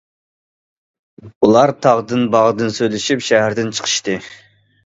ئۇلار تاغدىن- باغدىن سۆزلىشىپ شەھەردىن چىقىشتى.